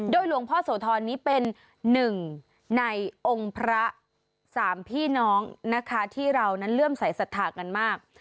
หลวงพ่อโสธรนี้เป็นหนึ่งในองค์พระสามพี่น้องนะคะที่เรานั้นเลื่อมสายศรัทธากันมาก